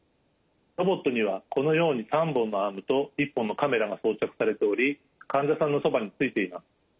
ロボットにはこのように３本のアームと１本のカメラが装着されており患者さんのそばについています。